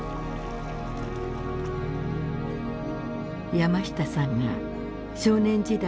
山下さんが少年時代